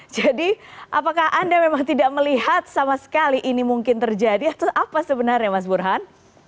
jadi apakah anda memang tidak melihat sama sekali ini mungkin terjadi atau apa sebenarnya mas burhan